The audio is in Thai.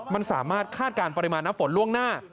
มันสามารถคาดการณ์ปริมาณน้ำฝนล่วงหน้า